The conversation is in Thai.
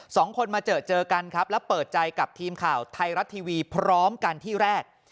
สองคนมาเจอเจอกันครับแล้วเปิดใจกับทีมข่าวไทยรัฐทีวีพร้อมกันที่แรก